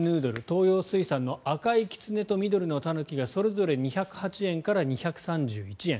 東洋水産の赤いきつねと緑のたぬきがそれぞれ２０８円から２３１円。